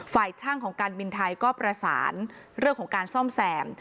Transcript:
ช่างของการบินไทยก็ประสานเรื่องของการซ่อมแซม